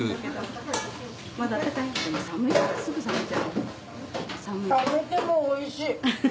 冷めてもおいしい！